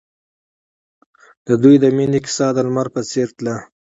د دوی د مینې کیسه د لمر په څېر تلله.